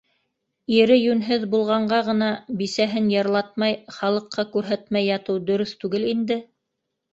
Ире йүнһеҙ булғанға ғына бисәһен йырлатмай, халыҡҡа күрһәтмәй ятыу дөрөҫ түгел инде.